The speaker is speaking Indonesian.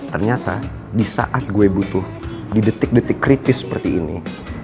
ternyata di saat gue butuh di detik detik kritis seperti ini